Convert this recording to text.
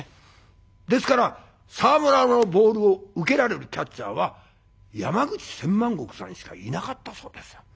ですから沢村のボールを受けられるキャッチャーは山口千万石さんしかいなかったそうですよ。